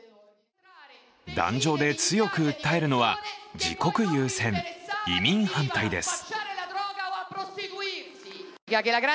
壇上で強く訴えるのは、自国優先移民反対です。